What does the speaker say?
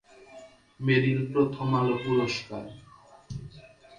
মেরিল-প্রথম আলো পুরস্কার